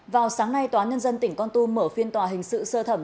vào sáng nay tòa nhân dân tỉnh con tum mở phiên tòa hình sự sơ thẩm